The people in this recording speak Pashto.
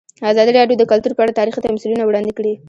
ازادي راډیو د کلتور په اړه تاریخي تمثیلونه وړاندې کړي.